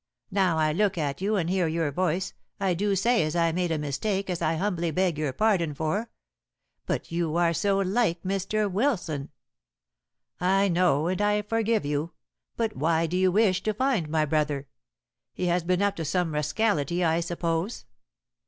Now I look at you and hear your voice I do say as I made a mistake as I humbly beg your pardon for. But you are so like Mr. Wilson " "I know, and I forgive you. But why do you wish to find my brother? He has been up to some rascality, I suppose?"